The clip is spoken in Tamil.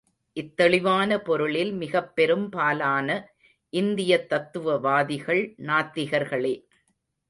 இத்தெளிவான பொருளில் மிகப் பெரும்பாலான இந்தியத் தத்துவவாதிகள் நாத்திகர்களே.